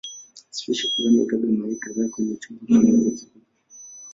Spishi fulani hutaga mayai kadhaa kwenye chumba kimoja kikubwa.